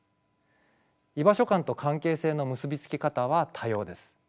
居場所感と関係性の結び付き方は多様です。